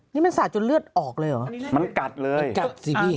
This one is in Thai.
นี่มันสาดจนเลือดออกเลยเหรอมันกัดเลยมันกัดสิพี่